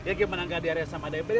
ya gimana gak diare sama diare